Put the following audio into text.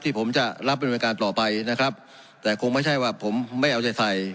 ผมจะรับดำเนินการต่อไปนะครับแต่คงไม่ใช่ว่าผมไม่เอาจะใส่